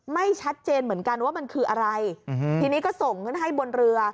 ไม่ชัดเจนเหมือนกันว่ามันคืออะไรทีนี้ก็ส่งขึ้นให้บนเรือ